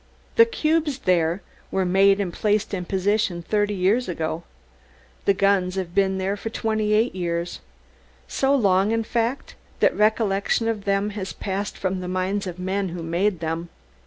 The cubes there were made and placed in position thirty years ago; the guns have been there for twenty eight years so long, in fact, that recollection of them has passed from the minds of the men who made them.